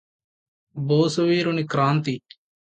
బోసు వీరుని క్రాంతి